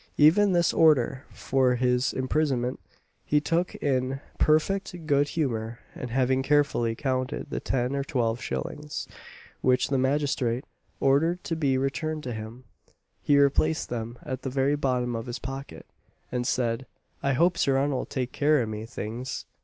Even this order for his imprisonment he took in perfect good humour; and having carefully counted the ten or twelve shillings which the magistrate ordered to be returned to him, he replaced them at the very bottom of his pocket, and said, "I hopes your honour'll take care o' me things?"